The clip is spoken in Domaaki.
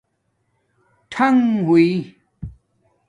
ٹھانݣ ہݸئ